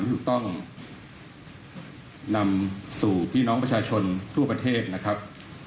ถูกต้องนำสู่พี่น้องประชาชนทั่วประเทศนะครับ